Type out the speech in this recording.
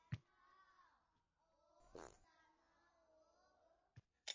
Qaerga ko`chib ketyaptikan